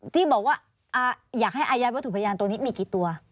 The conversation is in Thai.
ที่บอกว่าอยากให้อายัดวัตถุพยานตัวนี้มีกี่ตัว